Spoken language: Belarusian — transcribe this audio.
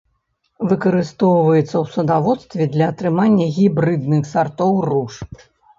Выкарыстоўваецца ў садаводстве для атрымання гібрыдных сартоў руж.